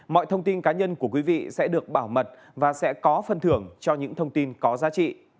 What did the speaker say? mọi thông tin cá nhân của quý vị sẽ được bảo mật và sẽ có phân thưởng cho những thông tin có giá trị